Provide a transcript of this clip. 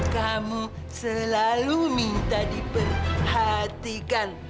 kamu selalu minta diperhatikan